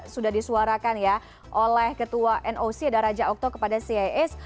sudah disuarakan ya oleh ketua noc dan raja okto kepada cis